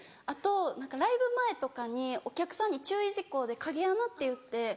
あと何かライブ前とかにお客さんに注意事項で影アナっていって。